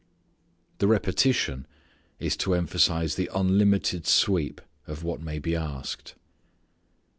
The repetition is to emphasize the unlimited sweep of what may be asked.